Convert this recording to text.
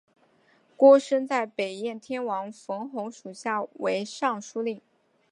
郭生在北燕天王冯弘属下为尚书令。